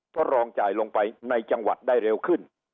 ทดลองจ่ายลงไปในจังหวัดได้เร็วขึ้น